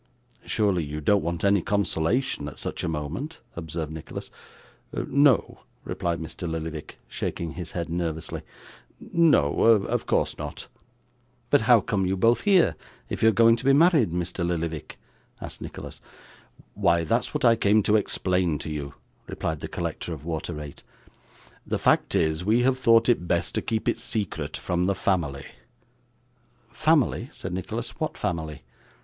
'Surely you don't want any consolation at such a moment?' observed Nicholas. 'No,' replied Mr. Lillyvick, shaking his head nervously: 'no of course not.' 'But how come you both here, if you're going to be married, Mr Lillyvick?' asked Nicholas. 'Why, that's what I came to explain to you,' replied the collector of water rate. 'The fact is, we have thought it best to keep it secret from the family.' 'Family!' said Nicholas. 'What family?